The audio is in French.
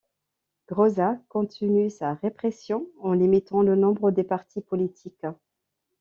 Groza continue sa répression en limitant le nombre des partis politiques.